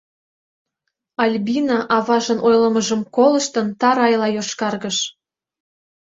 Альбина, аважын ойлымыжым колыштын, тарайла йошкаргыш.